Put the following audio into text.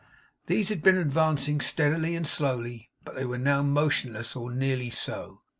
These had been advancing steadily and slowly, but they were now motionless, or nearly so.